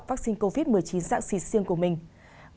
vaccine covid một mươi chín dạng xịt riêng của mình